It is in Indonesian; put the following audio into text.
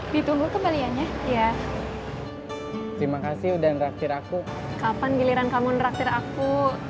ditunggu kembaliannya ya terima kasih udah ngeraktir aku kapan giliran kamu ngeraktir aku